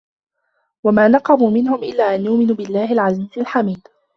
وَما نَقَموا مِنهُم إِلّا أَن يُؤمِنوا بِاللَّهِ العَزيزِ الحَميدِ